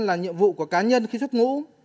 là nhiệm vụ của cá nhân khi xuất ngũ